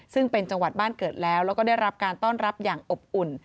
ซึ่งเป็นจังหวัดบ้านเกิดแล้วแล้วก็ได้รับการต้อนรับอย่างอบอุ่น